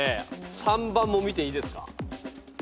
３番も見ていいですか？